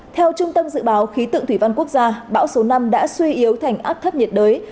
theo trung tâm dự báo khí tượng thủy văn quốc gia bão số năm đã suy yếu thành áp thấp nhiệt đới